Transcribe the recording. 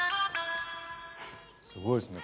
すごいですね。